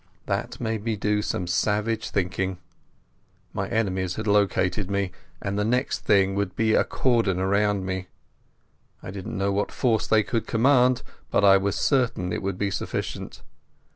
That made me do some savage thinking. My enemies had located me, and the next thing would be a cordon round me. I didn't know what force they could command, but I was certain it would be sufficient.